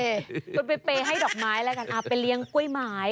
คุณไปเปย์ให้ดอกไม้แล้วกันไปเลี้ยงกล้วยไม้